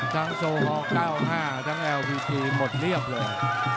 ทั้งโซฮอล์เก้าห้าทั้งเอลพีทีหมดเรียบเลย